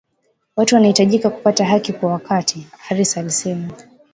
Watu wanahitaji kupata haki kwa wakati Harris alisema